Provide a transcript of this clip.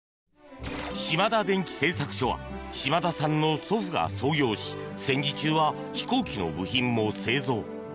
島田電機製作所は島田さんの祖父が創業し戦時中は、飛行機の部品も製造。